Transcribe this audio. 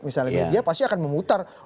misalnya media pasti akan memutar